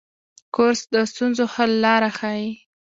کورس د ستونزو حل لاره ښيي.